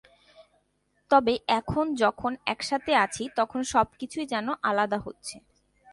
তবে এখন যখন একসাথে আছি, তখন সবকিছুই যেন আলাদা হচ্ছে।